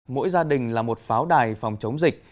mỗi gia đình là một pháo đài phòng chống dịch